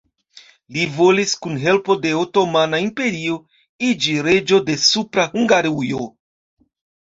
Li volis, kun helpo de Otomana Imperio, iĝi reĝo de Supra Hungarujo.